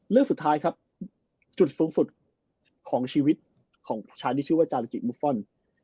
เรื่องสุดท้ายครับจุดสูงสุดของชีวิตของผู้ชายที่ชื่อว่าจาริกิมุฟฟอล